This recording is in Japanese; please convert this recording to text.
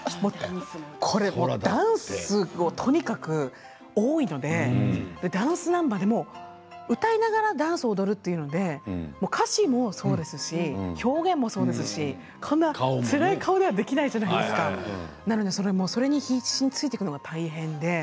ダンスがとにかく多いのでダンスナンバーでも歌いながらダンスを踊るというので歌詞もそうですし表現もそうですしつらい顔ではできないじゃないですかなので、それに必死についていくのが大変で。